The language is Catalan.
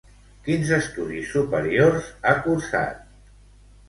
Quins estudis superiors ha cursat?